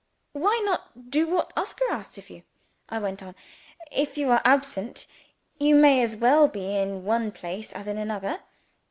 "Why not do what Oscar asks of you?" I went on. "If you are absent, you may as well be in one place as in another.